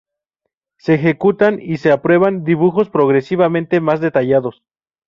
Se ejecutan y se aprueban dibujos progresivamente más detallados.